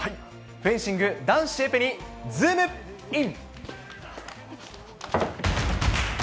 フェンシング男子エペにズームイン！！